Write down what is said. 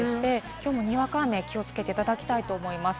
きょうもにわか雨、気をつけていただきたいと思います。